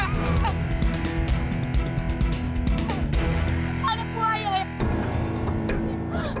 aku anaknya aku anaknya